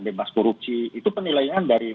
bebas korupsi itu penilaian dari